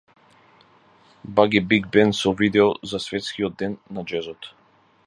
Баги Биг Бенд со видео за Светскиот ден на џезот